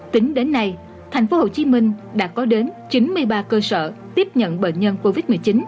tính đến nay tp hcm đã có đến chín mươi ba cơ sở tiếp nhận bệnh nhân covid một mươi chín